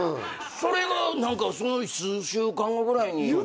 それがその数週間後ぐらいにえ！